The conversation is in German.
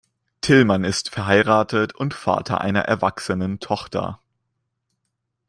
Tillmann ist verheiratet und Vater einer erwachsenen Tochter.